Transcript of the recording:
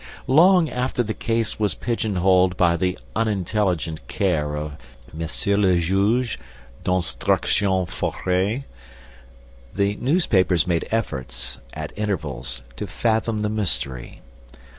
... Long after the case was pigeonholed by the unintelligent care of M. le Juge d'Instruction Faure, the newspapers made efforts, at intervals, to fathom the mystery.